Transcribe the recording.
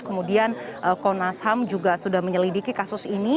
kemudian komnas ham juga sudah menyelidiki kasus ini